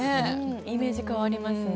イメージ変わりますね。